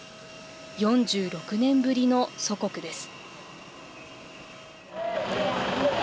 ４６年ぶりの祖国です。